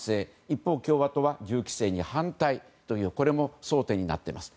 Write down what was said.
一方、共和党は銃規制に反対というこれも争点になっています。